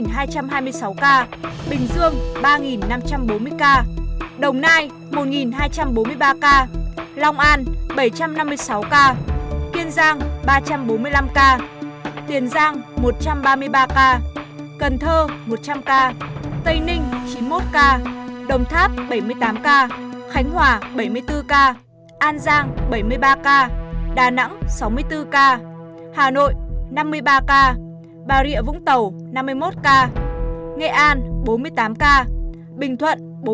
cụ thể tại tp hcm vẫn ở mức cao là sáu hai trăm hai mươi sáu ca bình dương ba năm trăm bốn mươi ca đồng nai một hai trăm bốn mươi ba ca long an bảy năm mươi sáu ca kiên giang ba bốn mươi năm ca tiền giang một ba trăm ba mươi ba ca cần thơ một trăm linh ca tây ninh chín mươi một ca đồng tháp bảy mươi tám ca khánh hòa bảy mươi bốn ca an giang bảy mươi ba ca đà nẵng sáu mươi bốn ca hà nội năm mươi ba ca bà rịa vũng tàu năm mươi một ca nghệ an bốn mươi tám ca bình thuận bốn mươi bảy ca trà ninh một hai trăm bốn mươi ba ca đồng tháp bảy mươi tám ca khánh hòa bảy mươi bốn ca an giang bảy mươi ba ca đà nẵng sáu mươi bốn ca hà nội năm mươi ba ca bà rịa vũng tàu năm mươi một ca nghệ an bốn mươi tám ca bình thuận bốn mươi bảy